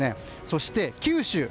そして、九州。